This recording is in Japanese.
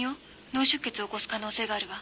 脳出血を起こす可能性があるわ。